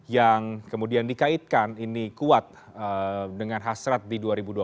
yang kemudian dikaitkan ini kuat dengan hasrat di dua ribu dua puluh empat